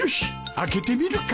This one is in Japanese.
開けてみるか。